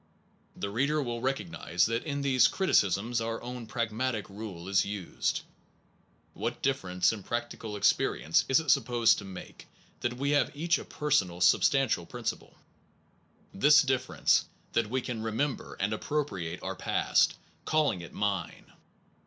The reader will recognize that in these criti cisms our own pragmatic rule is used. What difference in practical experience is it supposed to make that we have each a personal substan tial principle? This difference, that we can re member and appropriate our past, calling it mine.